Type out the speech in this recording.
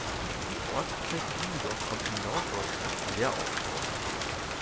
Die Ortsbezeichnung Niendorf kommt in Norddeutschland sehr oft vor.